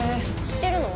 知ってるの？